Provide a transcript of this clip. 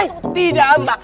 eh tidak mbak